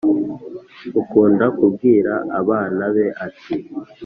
akunda kubwira abana be ati: